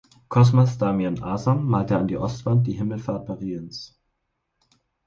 Cosmas Damian Asam malte an die Ostwand die Himmelfahrt Mariens.